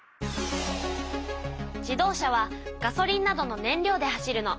自動車はガソリンなどのねん料で走るの。